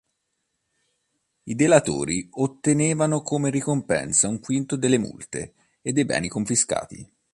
I delatori ottenevano come ricompensa un quinto delle multe e dei beni confiscati.